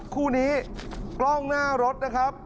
คู่นี้กล้องหน้ารถนะครับ